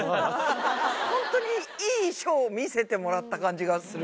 本当にいいショーを見せてもらった感じがする。